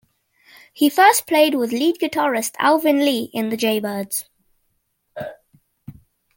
He first played with lead guitarist Alvin Lee in The Jaybirds.